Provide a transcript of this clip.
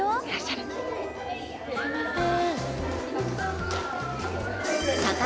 すいません。